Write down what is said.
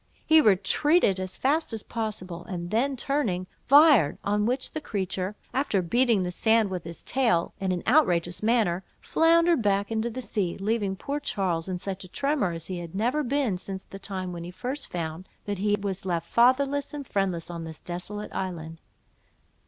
He retreated as fast as possible, and then turning, fired, on which the creature, after beating the sand with his tail in an outrageous manner, floundered back into the sea, leaving poor Charles in such a tremor as he had never been since the time when he first found that he was left fatherless and friendless on this desolate island.